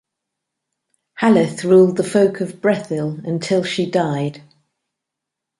Haleth ruled the Folk of Brethil until she died.